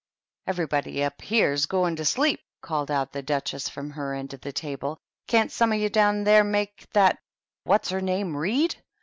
" Everybody up here's going to sleep !" called out the Duchess from her end of the table. " Can't some of you down there make that whaVs her name read?"